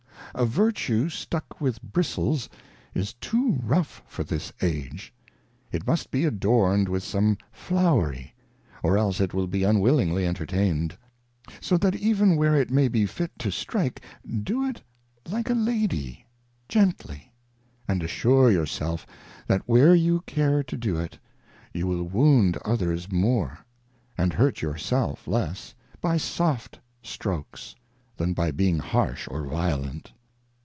A Vertue stuck with Bristles is too rough for this Age; it must be adorned with some Flowers, or else it will be unwillingly entertained ; so that even where it may be fit to strike, do it like a Lady, gently ; and assure your self, that where you care to do it, you will wound others more, and hurt your self less, by soft Strokes, than by being harsh or violent.